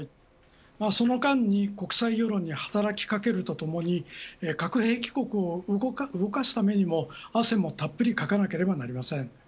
その間に国際世論に働き掛けるとともに核兵器国を動かすためにも汗もたっぷりかかなければなりません。